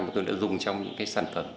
mà tôi đã dùng trong những cái sản phẩm